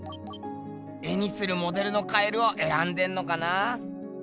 絵にするモデルの蛙をえらんでんのかな。